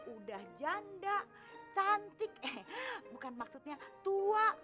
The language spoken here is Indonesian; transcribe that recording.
udah janda cantik eh bukan maksudnya tua